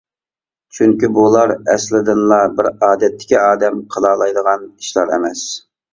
چۈنكى بۇلار ئەسلىدىنلا بىر ئادەتتىكى ئادەم قىلالايدىغان ئىشلار ئەمەس.